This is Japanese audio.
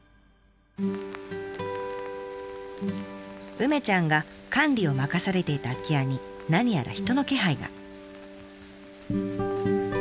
梅ちゃんが管理を任されていた空き家に何やら人の気配が。